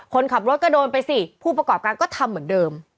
คนขับรถก็โดนไปสิผู้ประกอบการก็ทำเหมือนเดิม